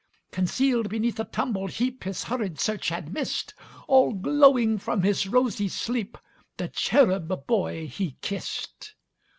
Concealed beneath a tumbled heapHis hurried search had missed, All glowing from his rosy sleep, The cherub boy he kissed.